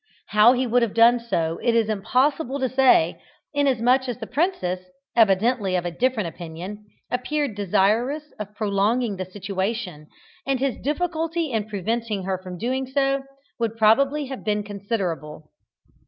How he would have done so it is impossible to say, inasmuch as the princess, evidently of a different opinion, appeared desirous of prolonging the situation, and his difficulty in preventing her from doing so would probably have been considerable.